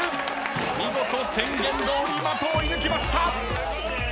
見事宣言どおり的を射抜きました。